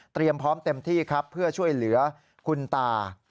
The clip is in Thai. พร้อมเต็มที่ครับเพื่อช่วยเหลือคุณตา